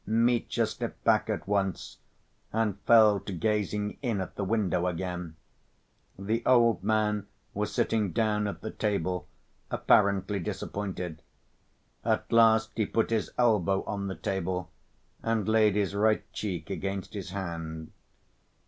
... Mitya slipped back at once, and fell to gazing in at the window again. The old man was sitting down at the table, apparently disappointed. At last he put his elbow on the table, and laid his right cheek against his hand.